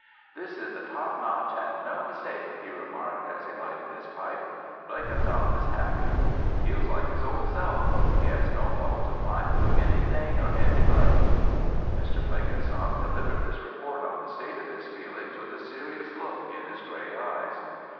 "This is the top notch an' no mistake," he remarked as he lighted his pipe. "Blenkinsop is happy. He feels like his Old Self. He has no fault to find with anything or anybody." Mr. Blenkinsop delivered this report on the state of his feelings with a serious look in his gray eyes.